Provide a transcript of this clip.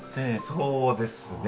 そうですね。